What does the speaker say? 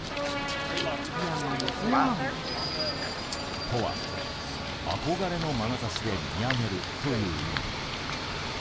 仰望。とは、憧れのまなざしで見上げるという意味。